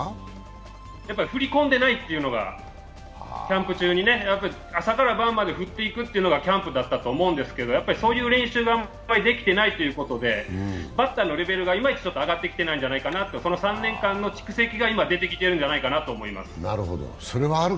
振り込んでないというのが、キャンプ中に、朝から晩まで振っていくというのがキャンプなんですけどやっぱりそういう練習ができてないということで、バッターのレベルがいまいち上がってきていないんじゃないかなとこの３年間の蓄積が今、出てきてるんじゃないかと思います。